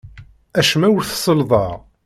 Acemma ur t-sellḍeɣ.